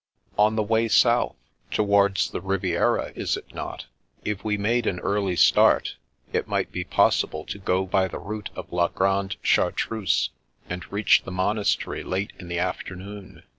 "On the way south, towards the Riviera, is it not? If we made an early start, it might be pos sible to go by the route of la Grande Chartreuse, and reach the monastery late in the afternoon.